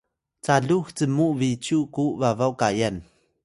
calux cmu bicyu ku babaw kayan?